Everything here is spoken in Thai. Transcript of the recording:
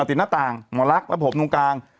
ติดหน้าต่างหมอลักษณ์และผมตรงกลาง